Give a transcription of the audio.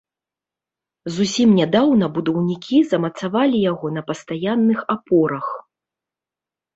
Зусім нядаўна будаўнікі замацавалі яго на пастаянных апорах.